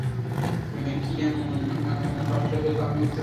কি এমন সমস্যা হচ্ছে তা আমি বুঝতে পারছি না।